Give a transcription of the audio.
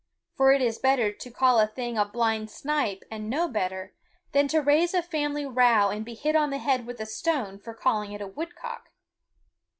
For it is better to call a thing a blind snipe, and know better, than to raise a family row and be hit on the head with a stone for calling it a woodcock.